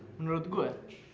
eh menurut gua